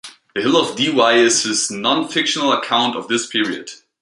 "The Hill of Devi" is his non-fictional account of this period.